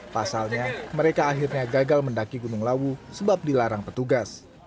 pasalnya mereka akhirnya gagal mendaki gunung lawu sebab dilarang petugas